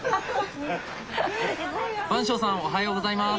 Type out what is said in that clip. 番匠さんおはようございます。